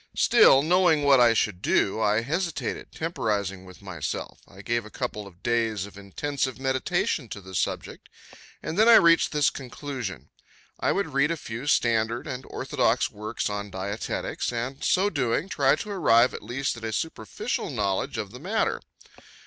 Still, knowing what I should do, I hesitated, temporizing with myself. I gave a couple of days of intensive meditation to the subject, and then I reached this conclusion: I would read a few standard and orthodox works on dietetics, and, so doing, try to arrive at least at a superficial knowledge of the matter.